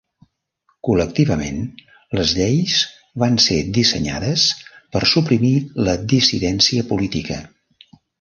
Col·lectivament, les lleis van ser dissenyades per suprimir la dissidència política.